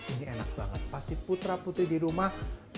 ini enak banget pasti putra putri di rumah